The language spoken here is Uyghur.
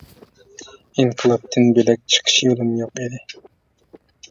ئىنقىلابتىن بۆلەك چىقىش يولۇم يوق ئىدى.